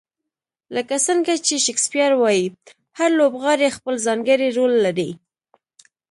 لکه څنګه چې شکسپیر وایي، هر لوبغاړی خپل ځانګړی رول لري.